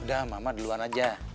udah mama duluan aja